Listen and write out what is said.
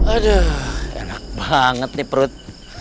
aduh enak banget di perut